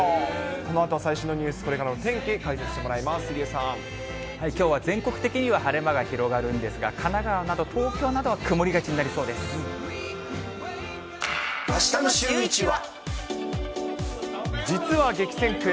このあとは最新のニュース、これからの天気、解説してもらいきょうは全国的には晴れ間が広がるんですが、神奈川など、東京などは曇りがちになりそうであしたのシューイチは。